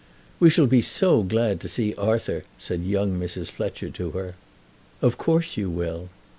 "We shall be so glad to see Arthur," said young Mrs. Fletcher to her. "Of course you will."